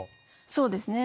そうですね。